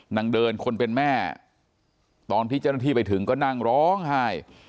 นางเดินคนเป็นแม่ตอนที่เจ้าหน้าที่ไปถึงก็นั่งร้องไห้